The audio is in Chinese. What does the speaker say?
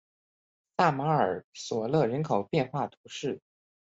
萨马尔索勒人口变化图示